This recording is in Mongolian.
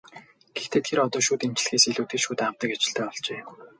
Гэхдээ тэр одоо шүд эмчлэхээс илүүтэй шүд авдаг ажилтай болжээ.